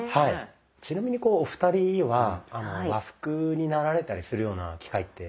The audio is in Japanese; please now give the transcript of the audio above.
ちなみにお二人は和服になられたりするような機会ってあったりします？